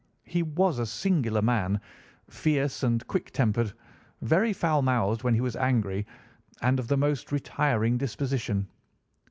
He was a singular man, fierce and quick tempered, very foul mouthed when he was angry, and of a most retiring disposition.